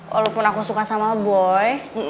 walaupun aku suka sama boy